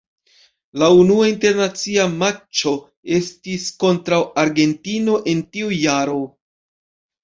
La unua internacia matĉo estis kontraŭ Argentino en tiu jaro.